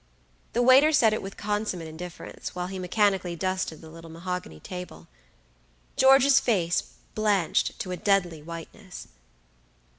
The waiter said it with consummate indifference, while he mechanically dusted the little mahogany table. George's face blanched to a deadly whiteness.